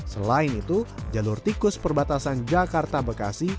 selain itu jalur tikus perbatasan jakarta bekasi